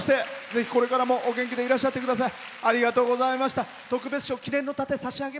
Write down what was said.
ぜひこれからも、お元気でいらっしゃってください。